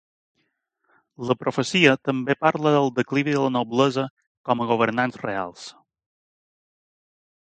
La profecia també parla del declivi de la noblesa com a governants reals.